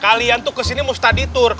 kalian tuh kesini mustaditur